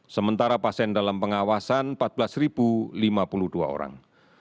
sementara pasien dalam pengawasan empat belas lima puluh dua orang